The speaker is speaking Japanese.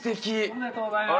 おめでとうございます。